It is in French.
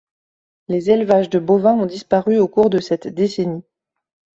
Les élevages de bovins ont disparu au cours de cette décennie.